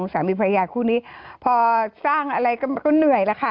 สามีภรรยาคู่นี้พอสร้างอะไรก็เหนื่อยแล้วค่ะ